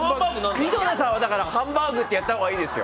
井戸田さんはハンバーグ！ってやったほうがいいです。